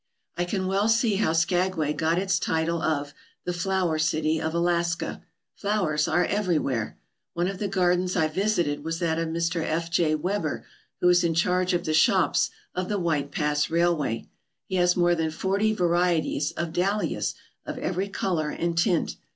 I can well see how Skagway got its title of the " Flower City of Alaska/' Flowers are everywhere. One of the gardens I visited was that of Mr. F. J. Weber, who is in charge of the shops of the White Pass Railway. He has more than forty varieties of dahlias of every colour and tint.